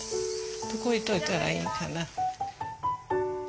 どこ置いといたらいいんかな。